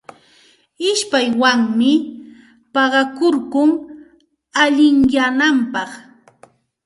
Ishpaywanmi paqakurkun allinyananpaq.